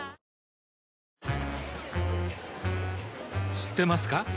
知ってますか？